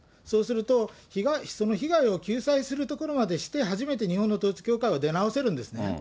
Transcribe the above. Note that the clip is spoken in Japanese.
そうすると、その被害を救済するところまでして初めて日本の統一教会は出直せるんですね。